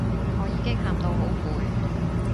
我已經喊到好攰